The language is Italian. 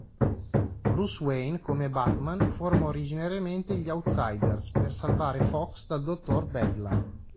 Bruce Wayne, come Batman, forma originariamente gli Outsiders per salvare Fox dal Dottor Bedlam.